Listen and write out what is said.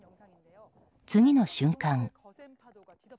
次の瞬間。